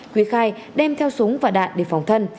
quý khai đem theo súng và đạn để phòng thân